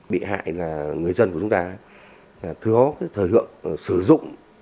bị hại là người dân của chúng ta thừa hóa thời hợp sử dụng